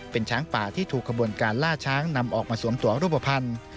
เป็นช้างป่าที่ถูกขบวนการล่าช้างนำออกมาสวมตัวรูปภัณฑ์